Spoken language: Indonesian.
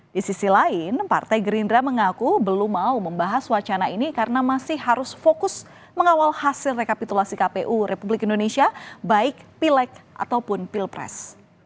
di sisi lain partai gerindra mengaku belum mau membahas wacana ini karena masih harus fokus mengawal hasil rekapitulasi kpu republik indonesia baik pileg ataupun pilpres